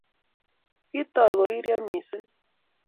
Kitoy koriryo missing